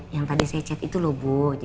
yang tadi saya cek itu loh bu